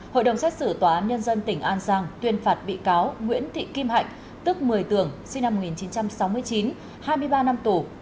hội đồng xét xử tòa án nhân dân tỉnh an giang tuyên phạt bị cáo nguyễn thị kim hạnh tức một mươi tường sinh năm một nghìn chín trăm sáu mươi chín hai mươi ba năm tù